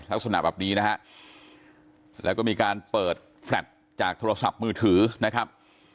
ลักษณะแบบนี้นะฮะแล้วก็มีการเปิดแฟลตจากโทรศัพท์มือถือนะครับ